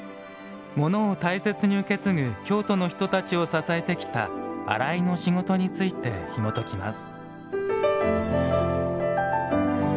ものを大切に受け継ぐ京都の人たちを支えてきた洗いの仕事についてひもときます。